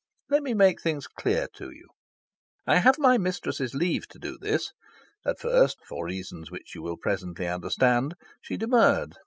Let me make things clear to you. I have my mistress' leave to do this. At first (for reasons which you will presently understand) she demurred.